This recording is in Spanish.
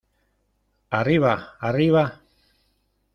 ¡ arriba!... ¡ arriba !...